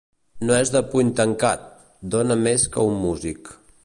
No és de puny tancat: dóna més que un músic.